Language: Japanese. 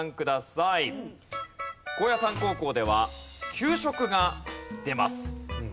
高野山高校では給食が出ます。